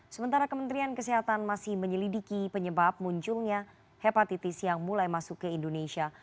sementara kementerian kesehatan masih menyelidiki penyebab munculnya hepatitis yang mulai masuk ke indonesia